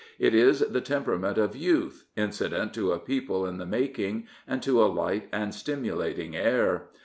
It is the temperament of youth, incident to a people in the making and to a light and stimulating air.